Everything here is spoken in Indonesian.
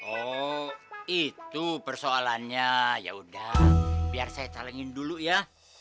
oh itu persoalannya yaudah biar saya calengin dulu ya